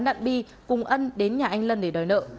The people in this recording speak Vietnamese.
nạn bi cùng ân đến nhà anh lân để đòi nợ